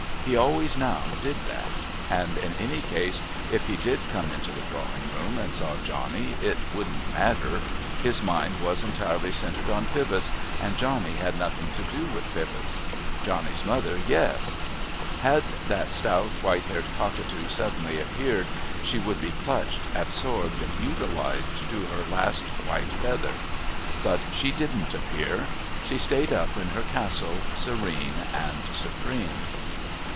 He always now did that. And in any case if he did come into the drawing room and saw Johnny it wouldn't matter. His mind was entirely centred on Pybus, and Johnny had nothing to do with Pybus. Johnny's mother, yes. Had that stout white haired cockatoo suddenly appeared, she would be clutched, absorbed, utilised to her last white feather. But she didn't appear. She stayed up in her Castle, serene and supreme.